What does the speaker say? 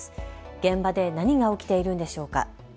現場で何が起きているんでしょうか。